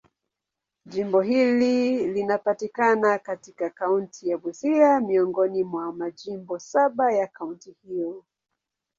Jimbo hili linapatikana katika kaunti ya Busia, miongoni mwa majimbo saba ya kaunti hiyo.